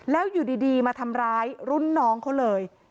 แล้วอยู่ดีมาทำร้ายรุ่นน้องเขาเลย